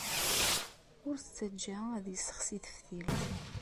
Ur t-ttajja ad yessexsi taftilt.